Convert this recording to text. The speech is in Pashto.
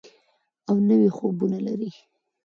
او نوي خوبونه لري.